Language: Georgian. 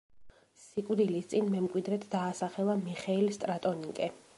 სიკვდილის წინ მემკვიდრედ დაასახელა მიხეილ სტრატონიკე.